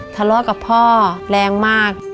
ทะเลาะกับพ่อแรงมาก